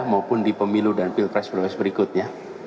maupun di pemilu dan pilpres prioritas berikutnya